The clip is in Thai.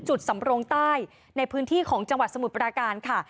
สำรงใต้ในพื้นที่ของจังหวัดสมุทรปราการค่ะ